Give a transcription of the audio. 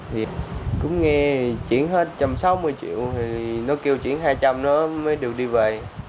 thì cũng nghe chuyển hết trăm sáu mươi triệu thì nó kêu chuyển hai trăm linh nó mới được đi về